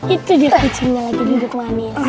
itu dia kucingnya lagi hidup manis